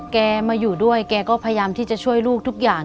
แกมาอยู่ด้วยแกก็พยายามที่จะช่วยลูกทุกอย่าง